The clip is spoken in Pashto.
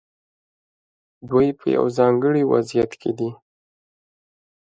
دوی په یو ځانګړي وضعیت کې دي.